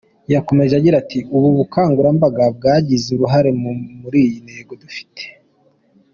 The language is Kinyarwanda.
Yakomeje agira ati “Ubu bukangurambaga bwagize uruhare muri iyi ntego dufite.